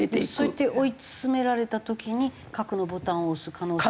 そうやって追い詰められた時に核のボタンを押す可能性がある？